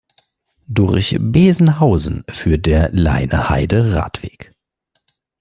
Durch Besenhausen führt der Leine-Heide-Radweg.